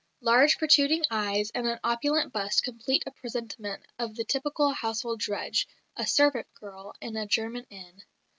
Large, protruding eyes and an opulent bust complete a presentment of the typical household drudge "a servant girl in a German inn."